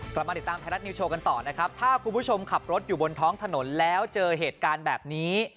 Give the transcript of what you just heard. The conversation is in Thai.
กลับมาติดตามไทยรัฐนิวโชว์กันต่อนะครับถ้าคุณผู้ชมขับรถอยู่บนท้องถนนแล้วเจอเหตุการณ์แบบนี้